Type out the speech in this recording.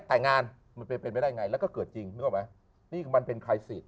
แต่งงานมันเป็นเป็นไปได้ไงแล้วก็เกิดจริงนึกออกไหมนี่มันเป็นคลายสิทธ